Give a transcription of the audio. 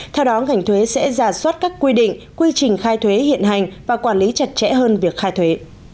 theo đó ngành thuế sẽ giả soát các quy định quy trình khai thuế hiện hành và quản lý chặt chẽ hơn việc khai thuế